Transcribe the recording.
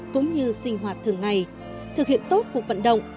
cũng như sinh hoạt thường ngày thực hiện tốt cuộc vận động